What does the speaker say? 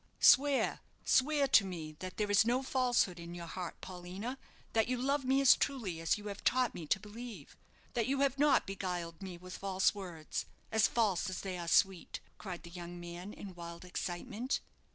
"Swear swear to me that there is no falsehood in your heart, Paulina; that you love me as truly as you have taught me to believe; that you have not beguiled me with false words, as false as they are sweet!" cried the young man, in wild excitement.